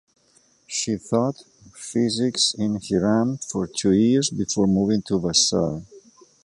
She taught physics at Hiram for two years before moving to Vassar.